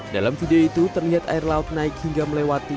dalam video itu terlihat air laut naik hingga melewati